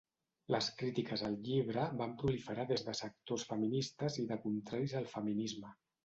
Les crítiques al llibre van proliferar des de sectors feministes i de contraris al feminisme.